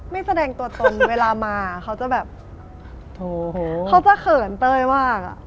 แสดงตัวตนเวลามาเขาจะแบบเขาจะเขินเต้ยมากอ่ะ